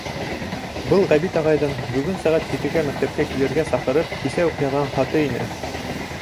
Был Ғәбит ағайҙың, бөгөн сәғәт етегә мәктәпкә килергә саҡырып, кисә үк яҙған хаты ине.